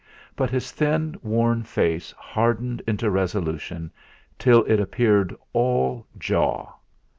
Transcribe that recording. But his thin, worn face hardened into resolution till it appeared all Jaw.